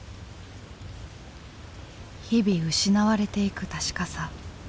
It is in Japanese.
日々失われていく確かさ。